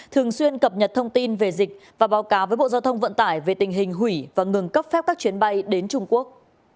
thường xuyên cập nhật thông tin về dịch và báo cáo với bộ giao thông vận tải về tình hình hủy và ngừng cấp phép các chuyến bay đến trung quốc